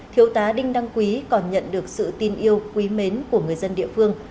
thiếu tá đinh đăng quý còn nhận được sự tin yêu quý mến của người dân địa phương